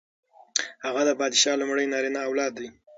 هغه د پادشاه لومړی نارینه اولاد دی.